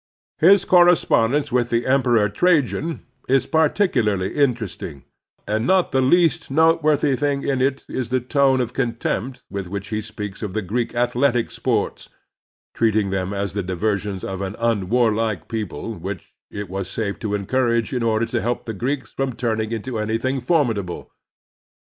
His correspondence with the Emperor Trajan is particularly interest ing; and not the least noteworthy thing in it is the tone of contempt with which he speaks of the Greek athletic sports, treating them as the diver sions of an imwarlike people which it was safe to encoiuage in order to keep the Greeks from ttiming into anything formidable.